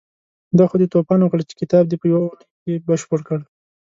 دا خو دې توپان وکړ چې کتاب دې په يوه اونۍ کې بشپړ کړ.